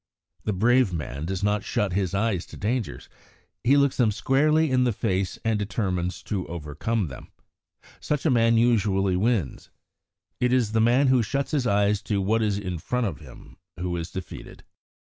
The brave man does not shut his eyes to dangers; he looks them squarely in the face and determines to overcome them. Such a man usually wins. It is the man who shuts his eyes to what is in front of him who is defeated.